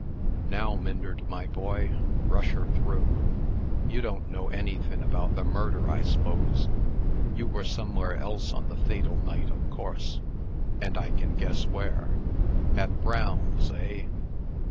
Now, Myndert, my boy, rush her through. You don't know anythin' about the murder, I s'pose. You were somewhere else on the fatal night, of course and I can guess where. At Brown's, eh?"